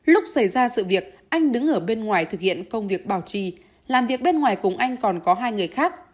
lúc xảy ra sự việc anh đứng ở bên ngoài thực hiện công việc bảo trì làm việc bên ngoài cùng anh còn có hai người khác